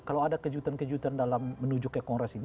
kalau ada kejutan kejutan dalam menuju kekongres ini